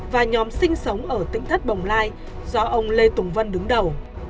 và nhóm sinh sống ở tỉnh thất bồng lai do ông lê tùng vân đứng đầu